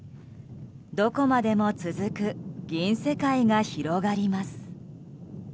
どこまでも続く銀世界が広がります。